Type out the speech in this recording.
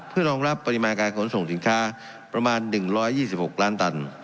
เพื่อรองรับปริมาณการขนส่งสินค้าประมาณ๑๒๖ล้านตัน